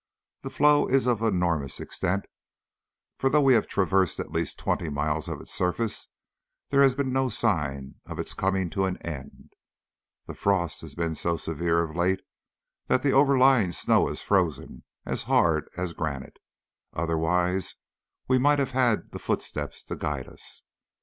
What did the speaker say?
The floe is of enormous extent, for though we have traversed at least twenty miles of its surface, there has been no sign of its coming to an end. The frost has been so severe of late that the overlying snow is frozen as hard as granite, otherwise we might have had the footsteps to guide us.